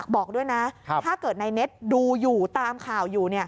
บอกด้วยนะถ้าเกิดนายเน็ตดูอยู่ตามข่าวอยู่